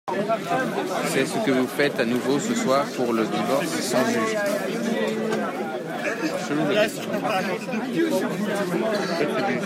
C’est ce que vous faites à nouveau ce soir pour le divorce sans juge.